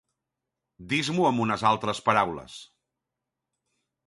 Dis-m'ho amb unes altres paraules.